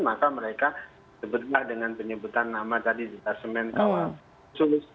maka mereka sebetulnya dengan penyebutan nama tadi detasemen kawal khusus